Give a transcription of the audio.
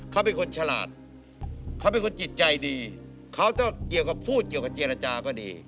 เขาเป็นคนฉลาดเขาเป็นคนจิตใจดีเขาจะเกี่ยวกับพูดเกี่ยวกับเจรจาก็ดี